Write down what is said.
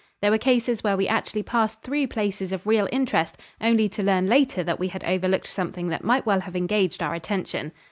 There were cases where we actually passed through places of real interest only to learn later that we had overlooked something that might well have engaged our attention.